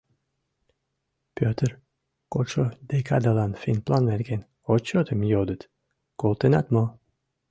— Пӧтыр, кодшо декадылан финплан нерген отчётым йодыт, колтенат мо?